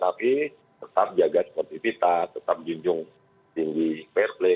tapi tetap jaga sportifitas tetap diunjung tinggi fair play